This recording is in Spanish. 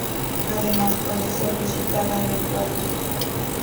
Además, puede ser visitada eventualmente.